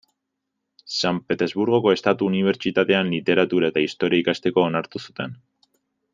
San Petersburgoko Estatu Unibertsitatean literatura eta historia ikasteko onartu zuten.